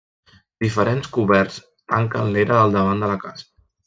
Diferents coberts tanquen l'era del davant de la casa.